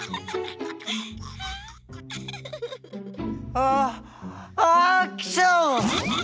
あハックション！